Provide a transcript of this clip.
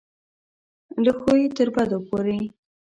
له ښو یې تر بدو پورې.